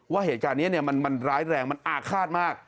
ว่าเหตุการณ์นี้มันร้ายแรงมันอาฆาตมาก